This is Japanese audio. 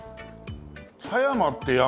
狭山って山？